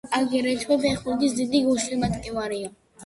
აგრეთვე ფეხბურთის დიდი გულშემატკივარია.